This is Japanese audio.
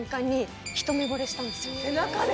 背中で？